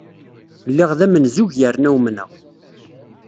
Lliɣ d amenzug yerna umneɣ.